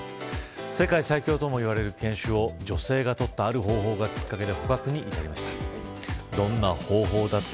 世界最強ともいわれる犬種を女性がとったある方法がきっかけで捕獲に至りました。